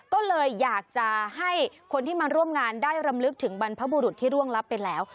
ก็เลยอยากจะให้คนที่มาร่วมงานได้รำลึกถึงบรรพบุรุษที่ร่วงรับไปแล้ว